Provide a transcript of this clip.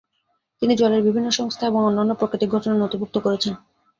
তিনি জলের বিভিন্ন সংস্থা এবং অন্যান্য প্রাকৃতিক ঘটনা নথিভুক্ত করেছেন।